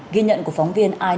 ghi nhận của phóng viên intv